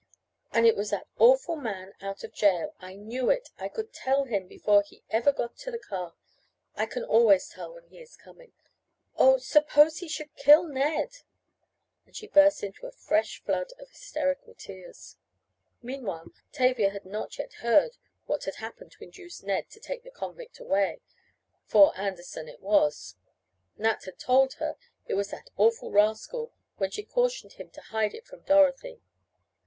"And it was that awful man out of jail! I knew it! I could tell him before he ever got to the car! I can always tell when he is coming. Oh! suppose he should kill Ned " and she burst into a fresh flood of hysterical tears. Meanwhile Tavia had not yet heard what had happened to induce Ned to take the convict away for Anderson it was. Nat had told her it was that awful rascal when she cautioned him to hide it from Dorothy.